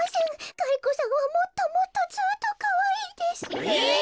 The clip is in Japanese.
ガリ子さんはもっともっとずっとかわいいです。え！